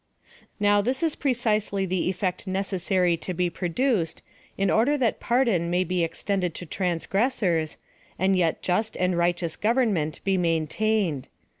Now, this is precisely the effect necessary to be produced, in order that pardon may be extended to trarsgressors, and yet just and righteous govern meut be maintained.